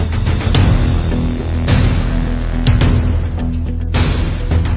สวัสดีครับ